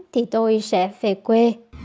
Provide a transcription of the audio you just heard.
thì tôi sẽ về quê